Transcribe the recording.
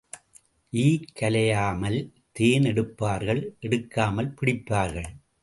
ஈக் கலையாமல் தேன் எடுப்பார்கள் எடுக்காமல் பிடிப்பார்கள்.